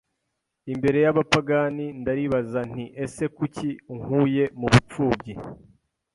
imbere y’abapagani ndaribaza nti ese kuki unkuye mu bupfubyi